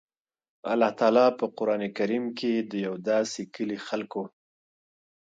الله تعالی په قران کريم کي د يو داسي کلي خلکو